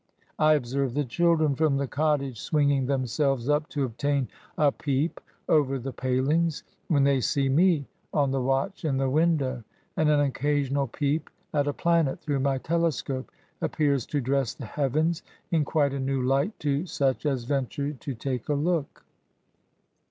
I observe the children from the cottage swinging themselves up to obtain a peep over the palings^ when they see me on the watch in the window ; and an occasional peep at a planet^ through my telescope^ appears to dress the heavens in quite a new light to such as venture to take a look.